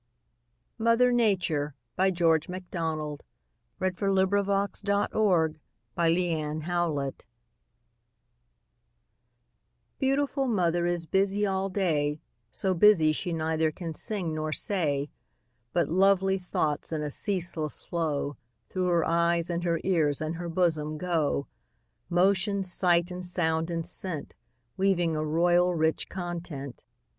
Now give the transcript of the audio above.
Need I tell you whose the hand Bears him high o'er sea and land? MOTHER NATURE. Beautiful mother is busy all day, So busy she neither can sing nor say; But lovely thoughts, in a ceaseless flow, Through her eyes, and her ears, and her bosom go Motion, sight, and sound, and scent, Weaving a royal, rich content.